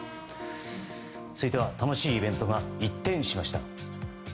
続いては楽しいイベントが一転しました。